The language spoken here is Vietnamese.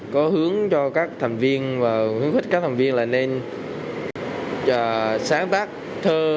có hướng cho các thành viên và hướng thích các thành viên là nên sáng tác thơ